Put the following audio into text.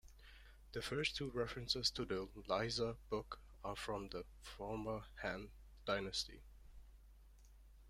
The first two references to the "Liezi" book are from the Former Han Dynasty.